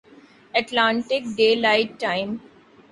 Atlantic daylight time